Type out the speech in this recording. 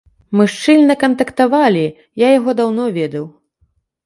Мы шчыльна кантактавалі, я яго даўно ведаў.